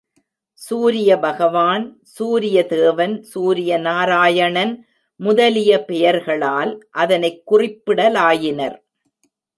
சூரிய பகவான், சூரிய தேவன், சூரியநாராயணன் முதலிய பெயர்களால் அதனைக் குறிப்பிடலாயினர்.